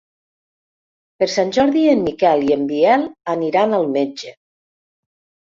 Per Sant Jordi en Miquel i en Biel aniran al metge.